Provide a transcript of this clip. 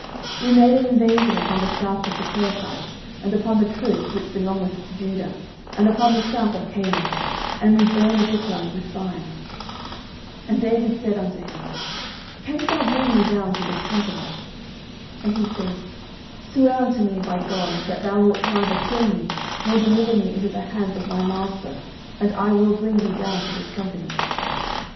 09:030:014 We made an invasion upon the south of the Cherethites, and upon the coast which belongeth to Judah, and upon the south of Caleb; and we burned Ziklag with fire. 09:030:015 And David said to him, Canst thou bring me down to this company? And he said, Swear unto me by God, that thou wilt neither kill me, nor deliver me into the hands of my master, and I will bring thee down to this company.